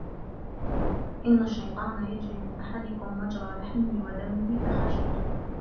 مَهْ إنَّ الشَّيْطَانَ يَجْرِي مِنْ أَحَدِكُمْ مَجْرَى لَحْمِهِ وَدَمِهِ فَخَشِيتُ